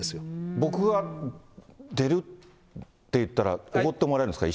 僕が、出るって言ったら、おごってもらえるんですか？